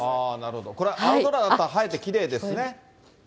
これ、青空だと映えてきれいですね。